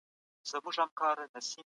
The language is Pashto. اسلامي شریعت د ټولو نظامونو څخه غوره دی.